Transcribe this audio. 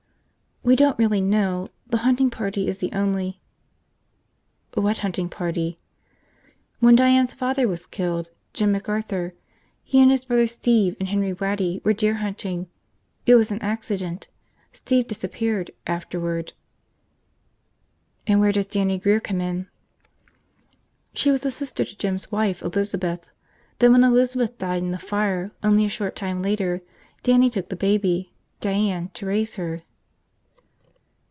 "We don't really know. The hunting party is the only ..." "What hunting party?" "When Diane's father was killed. Jim McArthur. He and his brother Steve and Henry Waddy were deer hunting. It was an accident. Steve disappeared, afterward." "And where does Dannie Grear come in?" "She was a sister to Jim's wife, Elizabeth. Then when Elizabeth died in the fire only a short time later, Dannie took the baby, Diane, to raise her."